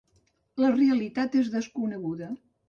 La realitat és desconeguda.